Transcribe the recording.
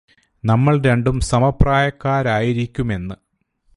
നമ്മള് രണ്ടും സമപ്രായക്കാരായിരിക്കുമെന്ന്